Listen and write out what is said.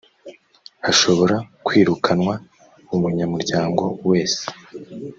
hashobora kwirukanwa umunyamuryango wese